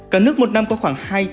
cả nước một năm có khoảng